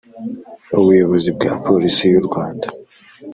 ubuyobozi bwa Polisi y u Rwanda